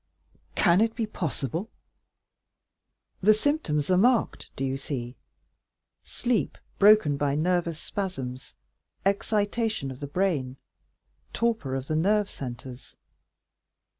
'" "Can it be possible?" "The symptoms are marked, do you see?—sleep broken by nervous spasms, excitation of the brain, torpor of the nerve centres.